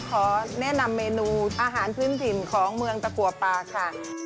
ขอแนะนำเมนูอาหารพื้นถิ่นของเมืองตะกัวปลาค่ะ